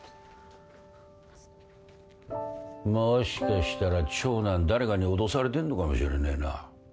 もしかしたら長男誰かに脅されてんのかもしれねえな。